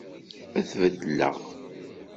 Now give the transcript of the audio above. Ad t-beddleɣ.